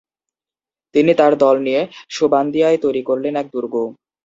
তিনি তার দল নিয়ে সুবান্দিয়ায় তৈরি করলেন এক দুর্গ।